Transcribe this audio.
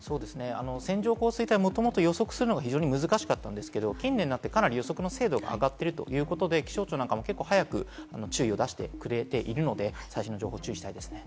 線状降水帯、もともと予測するのが難しかったんですけれども、近年になって予測の精度が上がっているということで、気象庁も早く注意を出してくれているので、最新の情報に注意したいですね。